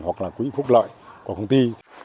hoặc là quỹ phúc lợi của công ty